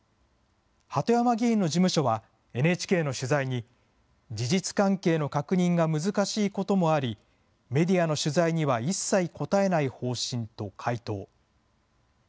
鳩山議員の事務所は、ＮＨＫの取材に、事実関係の確認が難しいこともあり、メディアの取材には一切答えない方針と回答。